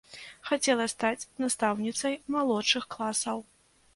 Хацела стаць настаўніцай малодшых класаў.